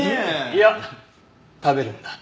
いや食べるんだ。